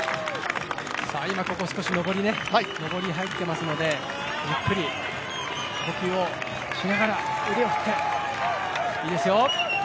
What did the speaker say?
今ここで少し上りに入っていますのでゆっくり呼吸をしながら腕を振って、いいですよ。